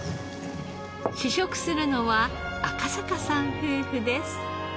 試食するのは赤坂さん夫婦です。